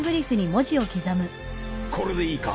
これでいいか？